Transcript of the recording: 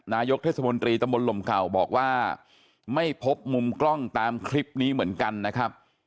นายกเทศมนตรีตำบลลมเก่าบอกว่าไม่พบมุมกล้องตามคลิปนี้เหมือนกันนะครับ